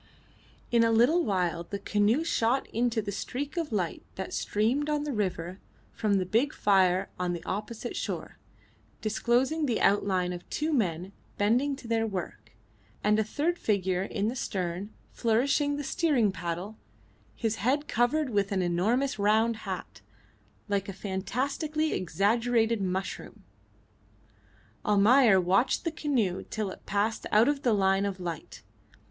In a little while the canoe shot into the streak of light that streamed on the river from the big fire on the opposite shore, disclosing the outline of two men bending to their work, and a third figure in the stern flourishing the steering paddle, his head covered with an enormous round hat, like a fantastically exaggerated mushroom. Almayer watched the canoe till it passed out of the line of light.